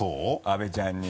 阿部ちゃんに。